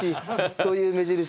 そういう目印。